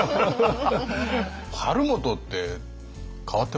晴元って変わってますね。